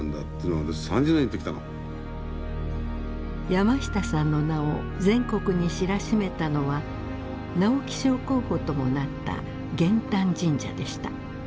山下さんの名を全国に知らしめたのは直木賞候補ともなった「減反神社」でした。